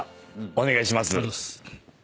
お願いします。